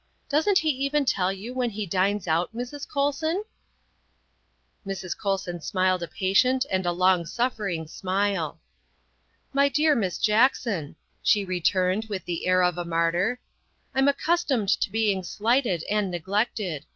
'' Doesn 't he even tell you when he dines out, Mrs. Colson?" Mrs. Colson smiled a patient and a long suffering smile. " My dear Miss Jackson," she returned with the air of a martyr, "I'm accustomed to being slighted and neglected.